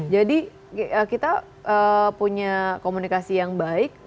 jadi kita punya komunikasi yang baik